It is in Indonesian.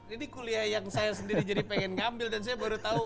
ini kuliah yang saya sendiri jadi pengen ngambil dan saya baru tahu